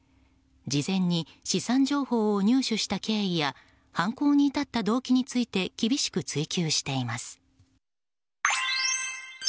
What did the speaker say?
事前に資産情報を入手した経緯や犯行に至った動機について厳しく追及しています。